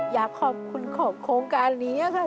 อยากขอบคุณของโครงการนี้ค่ะ